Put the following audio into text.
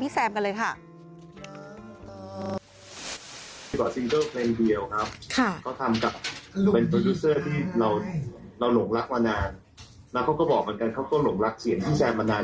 แล้วเขาก็บอกเหมือนกันเขาก็หลงรักเสียงที่แซมมานาน